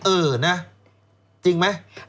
เออนะจริงไหม